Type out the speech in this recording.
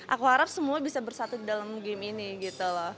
aku harap semua bisa bersatu di dalam game ini gitu loh